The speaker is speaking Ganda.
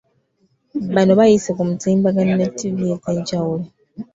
Bano bayise ku mutimbagano ne ttivi ez’enjawulo.